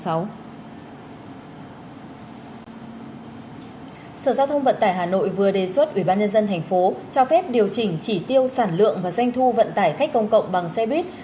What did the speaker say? sở giao thông vận tải hà nội vừa đề xuất ủy ban nhân dân thành phố cho phép điều chỉnh chỉ tiêu sản lượng và doanh thu vận tải khách công cộng bằng xe buýt